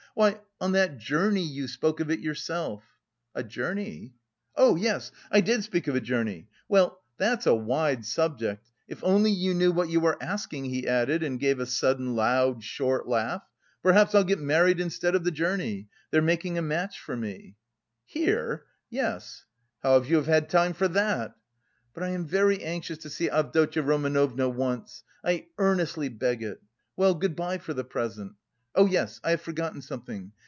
"Why, on that 'journey'; you spoke of it yourself." "A journey? Oh, yes. I did speak of a journey. Well, that's a wide subject.... if only you knew what you are asking," he added, and gave a sudden, loud, short laugh. "Perhaps I'll get married instead of the journey. They're making a match for me." "Here?" "Yes." "How have you had time for that?" "But I am very anxious to see Avdotya Romanovna once. I earnestly beg it. Well, good bye for the present. Oh, yes. I have forgotten something.